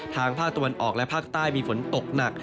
ภาคตะวันออกและภาคใต้มีฝนตกหนัก